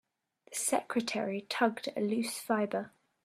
The secretary tugged at a loose fibre.